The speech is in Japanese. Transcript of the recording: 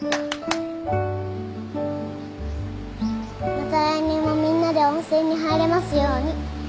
・また来年もみんなで温泉に入れますように。